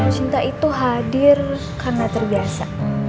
cinta itu hadir karena terbiasa